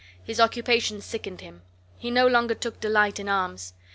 His occupation sickened upon him. He no longer took delight in arms.